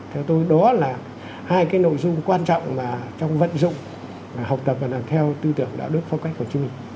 theo tôi đó là hai cái nội dung quan trọng mà trong vận dụng học tập và làm theo tư tưởng đạo đức phong cách của chúng mình